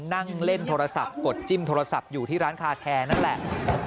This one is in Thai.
นั่งเล่นโทรศัพท์กดจิ้มโทรศัพท์อยู่ที่ร้านคาแคร์นั่นแหละ